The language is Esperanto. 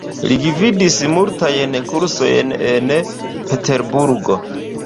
Li gvidis multajn kursojn en Peterburgo.